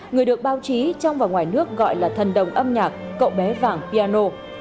người được báo chí trong và ngoài nước gọi là thần đồng âm nhạc cậu bé vàng piano